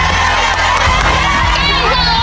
คนเดียวนึง